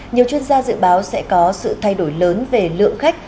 nhiều chuyên gia dự báo sẽ có sự thay đổi lớn về lượng khách